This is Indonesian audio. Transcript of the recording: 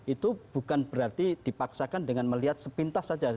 itu bukan berarti dipaksakan dengan melihat sepintas saja